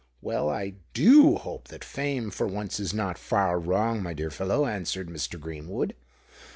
"Well, I do hope that Fame for once is not far wrong, my dear fellow," answered Mr. Greenwood.